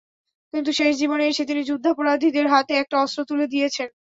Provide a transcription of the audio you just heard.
কিন্তু শেষ জীবনে এসে তিনি যুদ্ধাপরাধীদের হাতে একটা অস্ত্র তুলে দিয়েছেন।